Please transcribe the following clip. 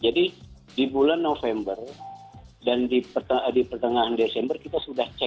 jadi di bulan november dan di pertengahan desember kita sudah cek